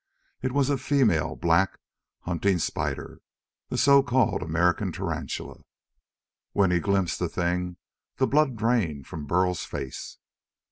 It was a female black hunting spider, the so called American tarantula. When he glimpsed the thing the blood drained from Burl's face.